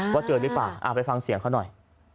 ว่าเจอมั้ยได้ป่าวไปฟังเสียข้อน่อย